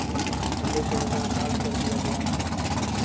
انڈے کو نظر انداز کر دیا گیا